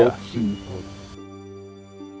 opsi itu ada